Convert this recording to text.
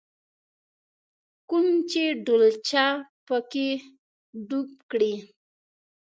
کوم چې ډولچه په کې ډوب کړې.